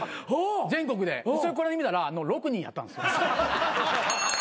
全国で見たら６人やったんすよ。